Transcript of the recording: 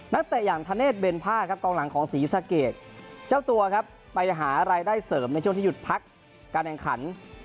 ตั้งแต่อย่างทะเนศเบนภาคตรงหลังของศรีศักดิ์เจ้าตัวไปหารายได้เสริมในช่วงที่หยุดพักการแข่งขัน